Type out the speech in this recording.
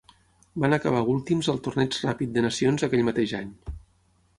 Van acabar últims al torneig ràpid de nacions aquell mateix any.